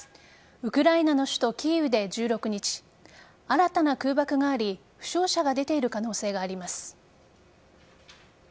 ウクライナの首都・キーウで１６日新たな空爆があり負傷者が出ている可能性があります。